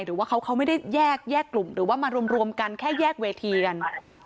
หรือว่าเขาไม่ได้แยกกลุ่มหรือว่ามารวมกันแค่แยกเวทีกัน